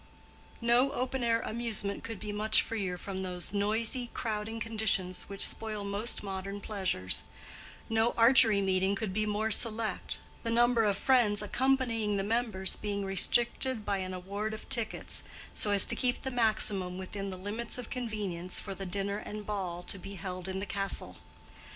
No open air amusement could be much freer from those noisy, crowding conditions which spoil most modern pleasures; no Archery Meeting could be more select, the number of friends accompanying the members being restricted by an award of tickets, so as to keep the maximum within the limits of convenience for the dinner and ball to be held in the castle.